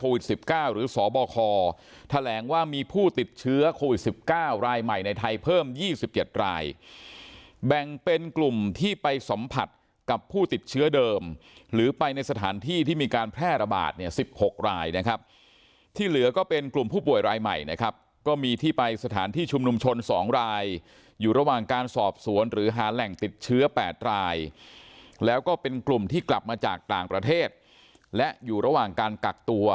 วันยี่สิบเจ็ดรายแบ่งเป็นกลุ่มที่ไปสัมผัสกับผู้ติดเชื้อเดิมหรือไปในสถานที่ที่มีการแพร่ระบาดเนี่ยสิบหกรายนะครับที่เหลือก็เป็นกลุ่มผู้ป่วยรายใหม่นะครับก็มีที่ไปสถานที่ชุมนุมชนสองรายอยู่ระหว่างการสอบสวนหรือหารแหล่งติดเชื้อแปดรายแล้วก็เป็นกลุ่มที่กลับมาจากต่างประเทศและอยู่ระหว